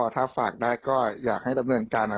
ถ้าฝากได้ก็อยากให้ดำเนินการ